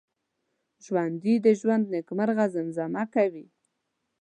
ژوندي د ژوند نغمه زمزمه کوي